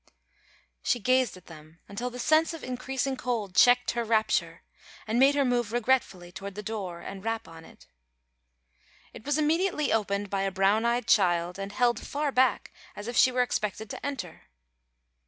_" She gazed at them until the sense of increasing cold checked her rapture, and made her move regretfully toward the door and rap on it. It was immediately opened by a brown eyed child, and held far back as if she were expected to enter.